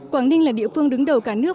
quảng ninh là địa phương đứng đầu cả nước